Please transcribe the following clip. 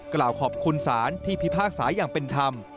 กล่าวขอบคุณศาลที่พิพากษาอย่างเป็นธรรม